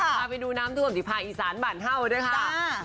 ไปดูน้ำทวมดิพะอิสรันต์บรรเท่านะครับ